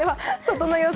外の様子